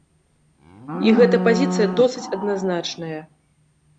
І гэта пазіцыя досыць адназначная.